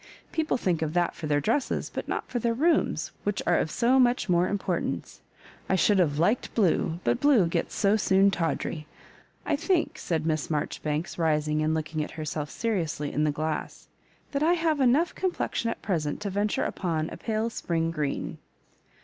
People think of that for their dresses, but not for their rooms, which are of so much more importance. I should have liked blue, but blue gets so soon tawdry. I think," said Miss Maijoribanks, rising and lookiug at her self serioudy in the glass, that I have enough complexion at present to venture upon a pale spring green.